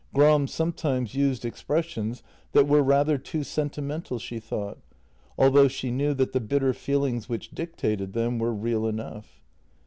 Gram sometimes used expressions that were rather too sentimental, she thought, although she knew that the bitter feelings which dictated them were real enough.